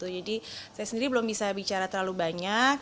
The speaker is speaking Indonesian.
jadi saya sendiri belum bisa bicara terlalu banyak